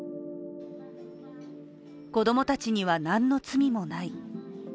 子供たちには何の罪もない。